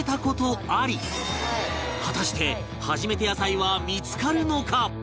果たして初めて野菜は見付かるのか？